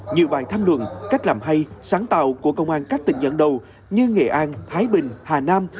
nhiều bài tham luận cách làm hay sáng tạo của công an các tỉnh dẫn đầu như nghệ an thái bình hà nam